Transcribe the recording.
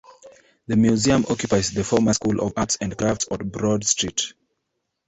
The museum occupies the former School of Arts and Crafts on Broad Street.